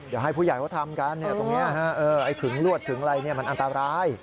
อย่าให้ผู้ใหญ่เขาทำกันไอ้ขึงลวดขึงอะไรมันอันตราย